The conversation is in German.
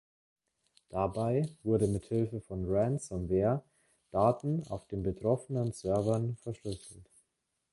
Dabei wurden mit Hilfe von Ransomware Daten auf den betroffenen Servern verschlüsselt.